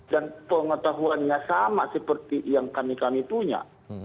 dan pengetahuannya sama seperti yang kami kami punya